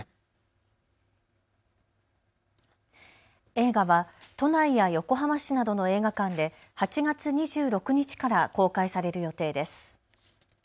映画は都内や横浜市などの映画館で８月２６日から公開される予定です。